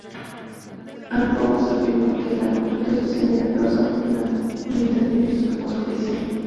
A. Ross afirmaba que la conducta social era causada por imitación o sugestión.